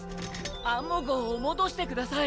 アンモ号を戻してください。